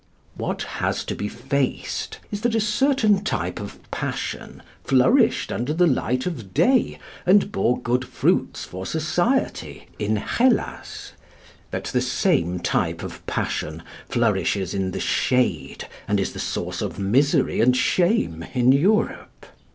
What has to be faced is that a certain type of passion flourished under the light of day and bore good fruits for society in Hellas; that the same type of passion flourishes in the shade and is the source of misery and shame in Europe.